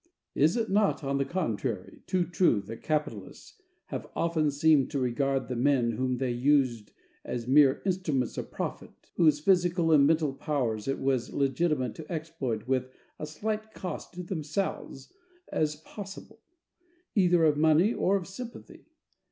Is it not, on the contrary, too true that capitalists have often seemed to regard the men whom they used as mere instruments of profit, whose physical and mental powers it was legitimate to exploit with as slight cost to themselves as possible, either of money or of sympathy?